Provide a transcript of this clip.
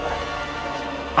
tadi ada apa